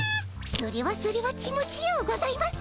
それはそれは気持ちようございますよ。